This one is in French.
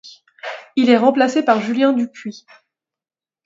Il est remplacé par Julien Dupuy.